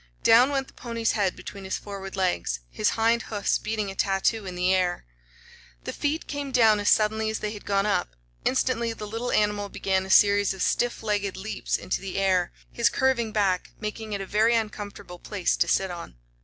Down went the pony's head between his forward legs, his hind hoofs beating a tattoo in the air. The feet came down as suddenly as they had gone up. Instantly the little animal began a series of stiff legged leaps into the air, his curving back making it a very uncomfortable place to sit on.